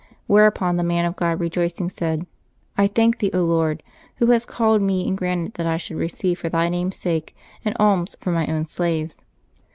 Whereupon the man of God, rejoicing, said, "I thank thee, Lord, Who hast called me and granted that I should receive for Thy name's sake an alms from my own slaves.